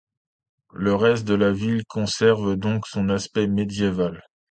Le reste de la ville conserve donc son aspect médiéval.